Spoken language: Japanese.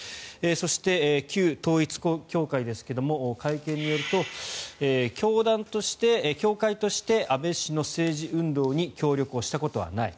そして、旧統一教会ですが会見によると協会として安倍氏の政治運動に協力をしたことはない。